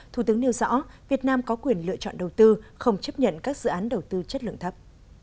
thủ tướng nêu rõ việt nam có quyền lựa chọn đầu tư không chấp nhận các dự án đầu tư chất lượng thấp